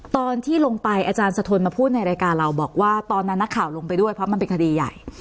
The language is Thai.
ตอนที่ลงไปอาจารย์สะทนมาพูดในรายการเราบอกว่าตอนนั้นนักข่าวลงไปด้วยเพราะมันเป็นคดีใหญ่